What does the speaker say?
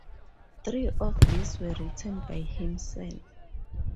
Three of these were written by himself.